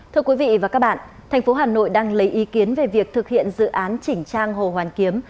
thưa quý vị và các bạn thành phố hà nội đang lấy ý kiến về việc thực hiện dự án chỉnh trang hồ hoàn kiếm